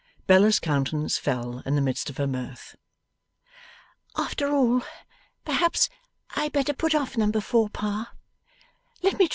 Bella's countenance fell in the midst of her mirth. 'After all, perhaps I had better put off number four, Pa.